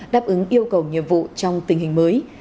đáp ứng yêu cầu nhiệm vụ trong tình hình mới